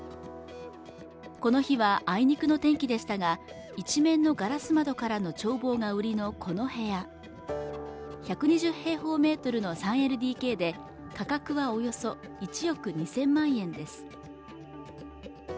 この日はあいにくの天気でしたが一面のガラス窓からの眺望が売りのこの部屋１２０平方メートルの３ＬＤＫで価格はおよそ１億２０００万円です